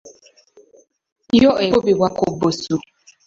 Yo ekubibwa ku bbusu.